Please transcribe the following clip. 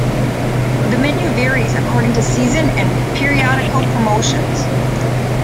The menu varies according to season and periodical promotions.